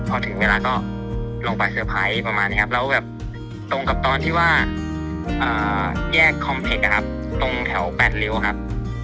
แล้วก็แบบตรงกับตอนที่ว่าแยกอเวอร์คอมเพชต์ตรงแถวแปดริ๋วครับ